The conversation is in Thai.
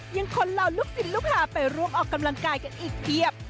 ยังคนเหล่าลูกศิลปลูกหาไปร่วมออกกำลังกายกันอีกเพียบ